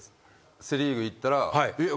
セ・リーグ行ったらえっ？